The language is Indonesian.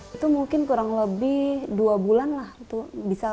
kulit terasa lebih lembut halus dan lembab